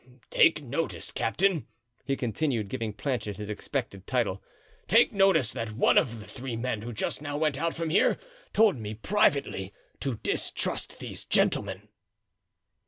"Take notice, captain," he continued, giving Planchet his expected title, "take notice that one of the three men who just now went out from here told me privately to distrust these gentlemen."